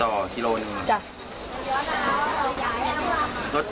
ต่อกิโลกรัมหนึ่งหรือจ้ะ